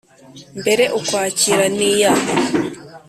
Mbere ukwakira n iya